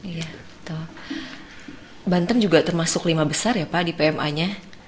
iya betul banten juga termasuk lima besar ya pak di pma nya